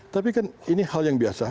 tapi kan ini hal yang biasa